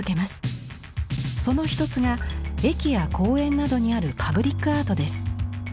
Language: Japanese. その一つが駅や公園などにあるパブリックアートです。